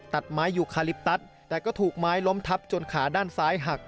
ตัดไม้อยู่คาลิปตัสแต่ก็ถูกไม้ล้มทับจนขาด้านซ้ายหัก